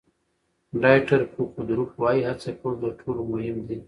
ډایټر فوکودروف وایي هڅه کول تر ټولو مهم دي.